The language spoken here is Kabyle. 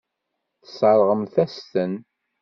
Tesseṛɣemt-as-ten.